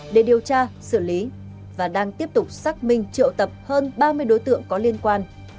để điều tra xử lý và đang tiếp tục xác minh triệu tập hơn ba mươi đối tượng có liên quan